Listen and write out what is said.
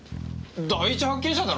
第一発見者だろ。